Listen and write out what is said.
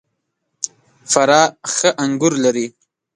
فراه ښه انګور لري .